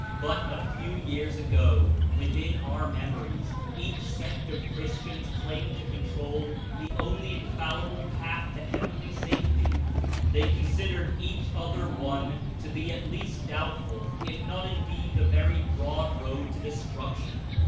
But a few years ago, within our memories, each sect of Christians claimed to control the only Infallible path to heaven ly safety. They considered each other one to be at least doubtful, If not Indeed the very broad road to destruction.